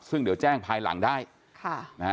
ซึ่งเดี๋ยวแจ้งภายหลังได้ค่ะนะฮะ